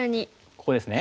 ここですね？